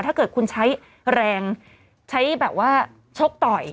ถ้าเกิดคุณใช้แรงใช้แบบว่าชกต่อย